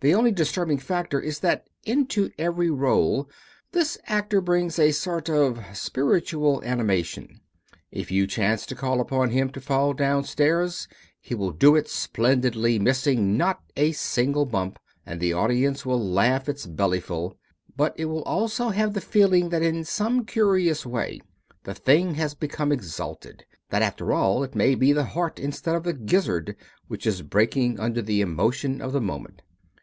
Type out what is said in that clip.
The only disturbing factor is that into every rôle this actor brings a sort of spiritual animation. If you chance to call upon him to fall down stairs he will do it splendidly, missing not a single bump, and the audience will laugh its bellyful, but it will also have the feeling that in some curious way the thing has become exalted, that after all it may be the heart instead of the gizzard which is breaking under the emotion of the moment.